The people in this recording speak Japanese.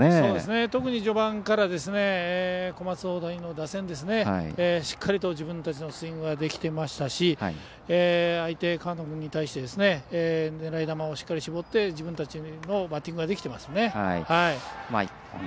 特に序盤から小松大谷の打線ですねしっかりと自分たちのスイングができてましたし相手、河野君に対して狙い球をしっかり絞って自分たちのバッティングができていますね。